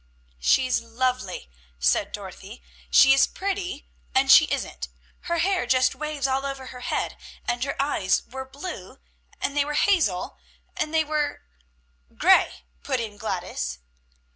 "She's lovely," said Dorothy. "She is pretty, and she isn't. Her hair just waves all over her head; and her eyes were blue, and they were hazel, and they were " "Gray!" put in Gladys.